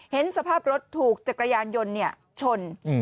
เห็นสภาพรถถูกจักรยานยนต์ชน